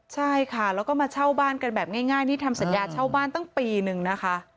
ใช่ค่ะแล้วก็มาเช่าบ้านกันแบบง่ายนี่ทำสัญญาเช่าบ้านตั้งปีนึงนะคะ